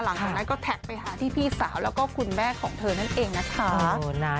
หลังจากนั้นก็แท็กไปหาที่พี่สาวแล้วก็คุณแม่ของเธอนั่นเองนะคะ